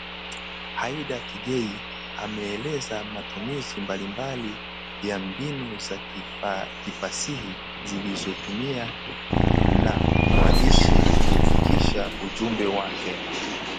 Aidha, King’ei anaeleza matumizi mbalimbali ya mbinu za kifasihi zilizotumiwa na mwandishi kufikisha ujumbe wake